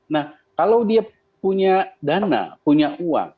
nah kalau dia punya dana punya uang